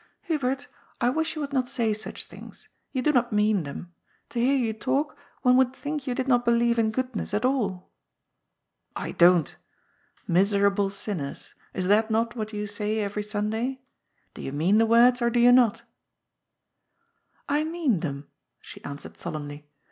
" Hubert, I wish you would not say such things. You do not mean them. To hear you talk one would think you did not believe in goodness at all." " I don't. ' Miserable sinners.' Is that not what you say every Sunday? Do you mean the words, or do you not?" "I mean them," she answered solemnly.